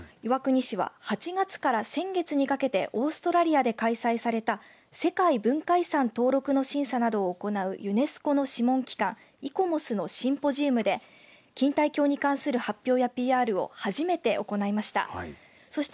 そうなんですよ、岩国市は８月から先月にかけてオーストラリアで開催された世界文化遺産登録の審査などを行うユネスコの諮問機関ＩＣＯＭＯＳのシンポジウムで錦帯橋に関する発表やＰＲを初めて行いました。